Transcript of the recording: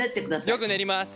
よく練ります。